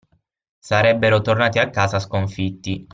Sarebbero tornati a casa sconfitti.